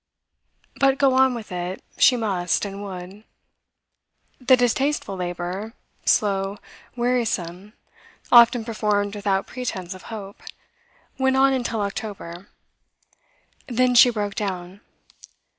But go on with it she must and would. The distasteful labour, slow, wearisome, often performed without pretence of hope, went on until October. Then she broke down.